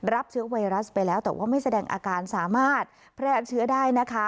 เชื้อไวรัสไปแล้วแต่ว่าไม่แสดงอาการสามารถแพร่เชื้อได้นะคะ